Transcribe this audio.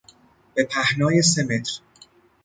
به پهنای سه متر